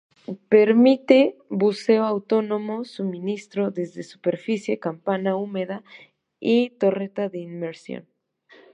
Permite buceo autónomo, suministro desde superficie, campana húmeda, y torreta de inmersión.